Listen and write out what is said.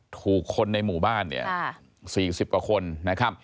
ถูกคนในหมู่บ้านเนี่ย๔๐กว่าคนนะครับ